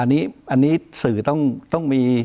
อันนี้สื่อต้องมี